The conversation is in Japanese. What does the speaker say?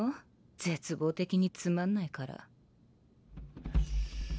絶望的につまんないから。